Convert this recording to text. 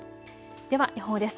では予報です。